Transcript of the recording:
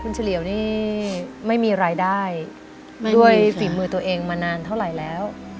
เฉลี่ยวนี่ไม่มีรายได้ด้วยฝีมือตัวเองมานานเท่าไหร่แล้ว